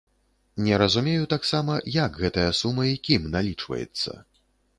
Не разумею таксама, як гэтая сума і кім налічваецца.